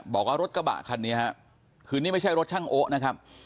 บอกว่ารถกระบะคันนี้ฮะคือนี่ไม่ใช่รถช่างโอ๊ะนะครับ